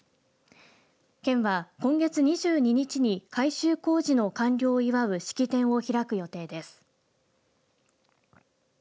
県は今月２２日に改修工事の完了を祝う式典を開く予定です。